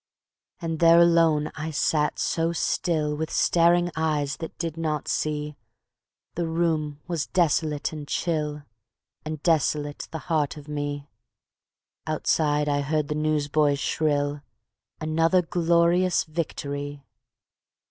And there alone I sat so still, With staring eyes that did not see; The room was desolate and chill, And desolate the heart of me; Outside I heard the news boys shrill: "Another Glorious Victory!"